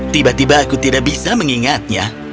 tiba tiba aku tidak bisa mengingatnya